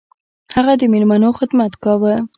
هغه د میلمنو خدمت کاوه.